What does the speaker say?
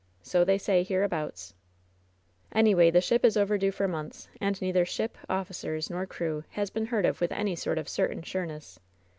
So they say hereaboutai "Anyway, the ship is overdue for months, and neither ship, officers nor crew has been heard of with any sort of certain sureness.